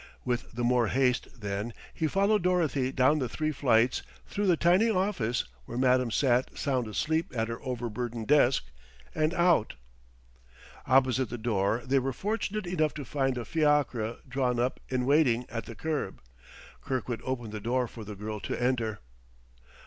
With the more haste, then, he followed Dorothy down the three flights, through the tiny office, where Madam sat sound asleep at her over burdened desk, and out. Opposite the door they were fortunate enough to find a fiacre drawn up in waiting at the curb. Kirkwood opened the door for the girl to enter.